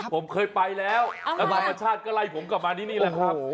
ผมเคยไปแล้วแล้วธรรมชาติก็ไล่ผมกลับมาที่นี่แหละครับ